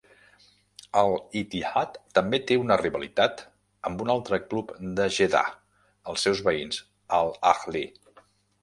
Al-Ittihad també té una rivalitat amb un altre club de Jeddah, els seus veïns Al-Ahli.